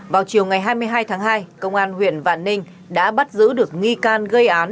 vào chiều ngày hai mươi hai tháng hai công an huyện vạn ninh đã bắt giữ được nghi can gây án